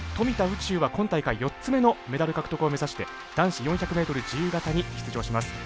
宇宙は今大会４つ目のメダル獲得を目指して男子４００ｍ自由形に出場します。